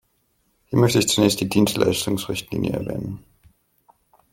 Hier möchte ich zunächst die Dienstleistungsrichtlinie erwähnen.